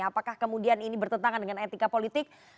apakah kemudian ini bertentangan dengan etika politik